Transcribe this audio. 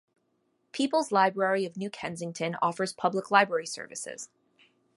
People's Library of New Kensington offers public library services.